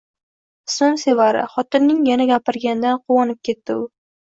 Ismim, Sevara, xotinning yana gapirganidan quvonib ketdi u